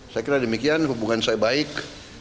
saya kira demikian hubungan saya baik